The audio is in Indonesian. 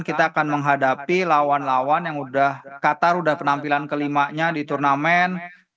kita akan menghadapi lawan lawan yang udah qatar udah penampilan kelimanya di turnamen